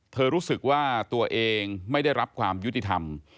รู้สึกว่าตัวเองไม่ได้รับความยุติธรรม